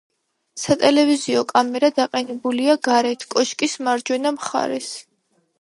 სატელევიზიო კამერა დაყენებულია გარეთ, კოშკის მარჯვენა მხარეს.